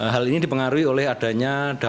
hal ini dipengaruhi oleh adanya